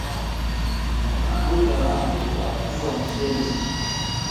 Buda wangu hakuwa msemi